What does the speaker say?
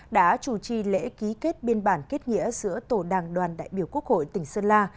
đã chủ trì lễ ký kết biên bản kết nghĩa giữa tổ đảng đoàn đại biểu quốc hội tỉnh sơn la